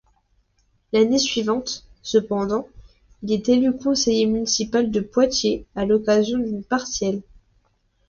L'année suivante, cependant, il est élu conseiller municipal de Poitiers à l'occasion d'une partielle.